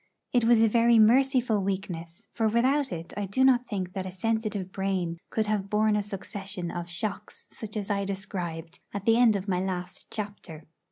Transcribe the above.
It was a very merciful weakness, for without it I do not think that a sensitive brain could have borne a succession of shocks such as I described at the end of my last chapter.